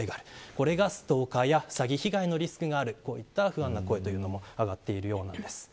これがストーカーや詐欺被害のリスクがあるという不安の声も上がっているようなんです。